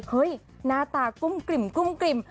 เฮ้ยหน้าตากุ้มกริ่ม